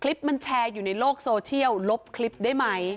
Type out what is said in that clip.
คลิปมันแชร์อยู่ในโลกโซเชียลลบคลิปได้ไหม